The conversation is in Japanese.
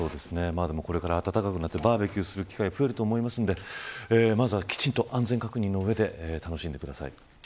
これからあったかくなってバーベキューをする機会が増えると思いますのでまずはきちんと安全確認の上で楽しんでください。